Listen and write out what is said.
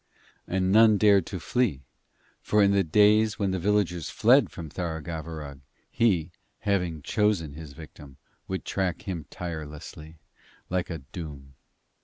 And none dared to flee, for in the days when the villagers fled from Tharagavverug, he, having chosen his victim, would track him tirelessly, like a doom.